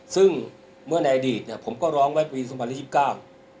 ซึ่งเมื่อในอดีตเนี่ยผมก็ร้องไว้ปีสองพันร้อยสิบเก้า